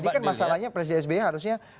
jadi kan masalahnya presiden sby harusnya